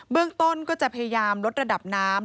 เรื่องต้นก็จะพยายามลดระดับน้ำ